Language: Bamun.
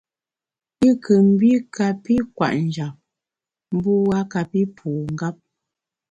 I nkù mbi kapi kwet njap, mbu a kapi pu ngap.